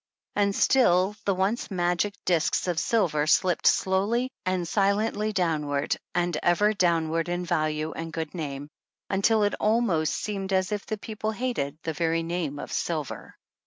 And still the once magic discs of silver slipped slowly and silently downward, and ever downward in value and good name, until it almost seemed as if the people hated the very name of silver.